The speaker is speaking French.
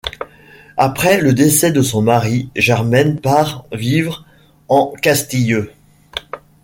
Après le décès de son mari, Germaine part vivre en Castille.